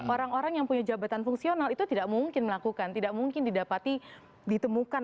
orang orang yang punya jabatan fungsional itu tidak mungkin melakukan tidak mungkin didapati ditemukan